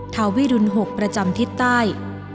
ทาวิรุณ๖ประจำทิศใต้